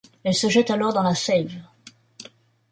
Elle se jette alors dans la Save.